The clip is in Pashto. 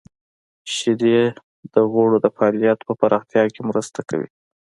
• شیدې د غړو د فعالیت په پراختیا کې مرسته کوي.